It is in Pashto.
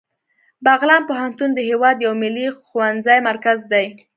بغلان پوهنتون د هیواد یو ملي ښوونیز مرکز دی